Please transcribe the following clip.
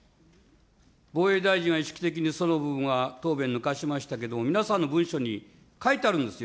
防衛大臣は意識的にその部分は答弁抜かしましたけれども、皆さんの文書に書いてあるんですよ。